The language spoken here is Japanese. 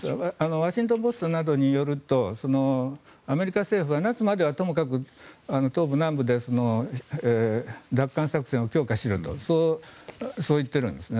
ワシントン・ポストなどによると、アメリカ政府は夏まではともかく東部南部で奪還作戦を強化しろとそう言っているんですね。